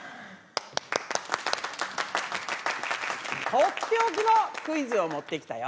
取って置きのクイズを持ってきたよ。